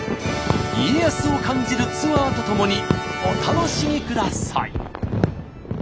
家康を感じるツアーとともにお楽しみください。